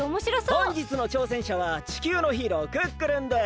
ほんじつのちょうせんしゃは地球のヒーロークックルンです。